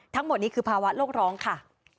ทั้งหมดนี้คือภาวะโลกร้องค่ะ